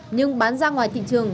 nhưng bán ra ngoài thị trường